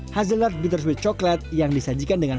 hazelheart bittersweet chocolate yang disajikan dengan